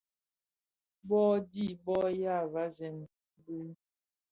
Bông di bông yàa weesën bi.